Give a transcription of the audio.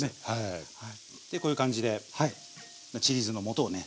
でこういう感じでちり酢のもとをね